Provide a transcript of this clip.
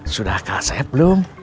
sudah kaset belum